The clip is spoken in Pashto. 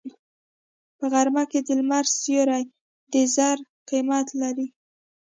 په غرمه کې د لمر سیوری د زر قیمت لري